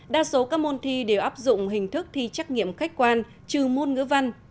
đa số các môn thi đều áp dụng hình thức thi trắc nghiệm khách quan trừ môn ngữ văn